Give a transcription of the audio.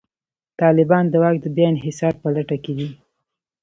طالبان د واک د بیا انحصار په لټه کې دي.